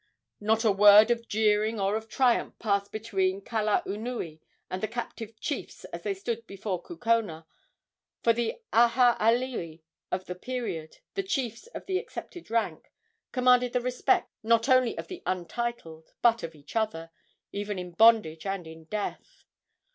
Not a word of jeering or of triumph passed between Kalaunui and the captive chiefs as they stood before Kukona, for the aha alii of the period the chiefs of accepted rank commanded the respect, not only of the untitled, but of each other, even in bondage and in death.